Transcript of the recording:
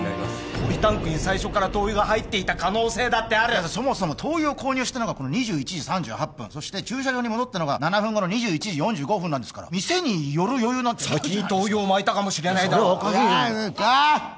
ポリタンクに最初から灯油が入っていた可能性だってあるそもそも灯油を購入したのが２１時３８分そして駐車場に戻ったのが７分後の２１時４５分なんですから店に寄る余裕なんてない先に灯油をまいたかもしれないああああっ！